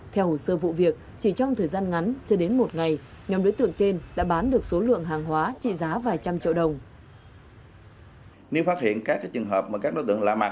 theo hồ sơ vụ việc chỉ trong thời gian ngắn chưa đến một ngày nhóm đối tượng trên đã bán được số lượng hàng hóa trị giá vài trăm triệu đồng